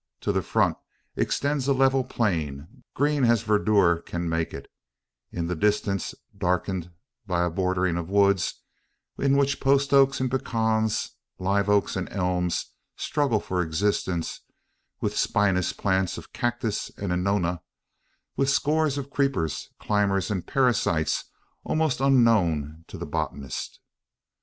To the front extends a level plain, green as verdure can make it in the distance darkened by a bordering of woods, in which post oaks and pecans, live oaks and elms, struggle for existence with spinous plants of cactus and anona; with scores of creepers, climbers, and parasites almost unknown to the botanist.